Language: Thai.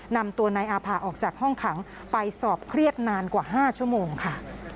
นำตัวนายอาภาออกจากห้องขังไปสอบเครียดนานกว่า๕ชั่วโมงค่ะ